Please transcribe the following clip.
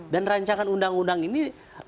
dan rancangan undang undang ini